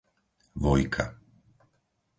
Vojka